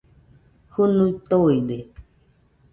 Jɨnui toide